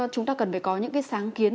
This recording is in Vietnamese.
chúng ta cần phải có những cái sáng kiến